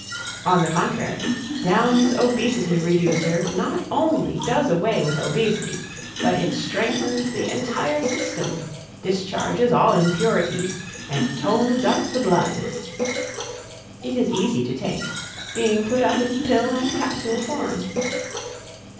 On the contrary Downs' Obesity Reducer not only does away with obesity, but it strengthens the entire system, discharges all impurities and tones up the blood. It is easy to take; being put up in pill and capsule form.